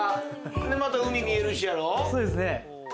また海見えるしやろ。